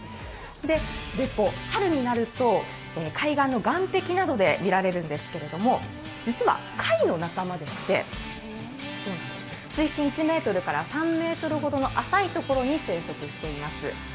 ベコ、春になると海岸の岩壁などで見られるんですけれども実は貝の仲間でして、水深１ｍから３ｍほどの浅い所に生息しています。